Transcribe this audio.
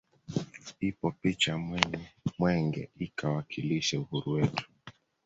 Ipo picha ya mwenge ikiwakilisha uhuru wetu